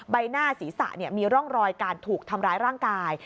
ใบหน้าศีรษะมีร่องรอยการถูกทำร้ายร่างกาย